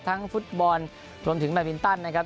ทั้งฟุตบอลนะครับรวมถึงนะครับ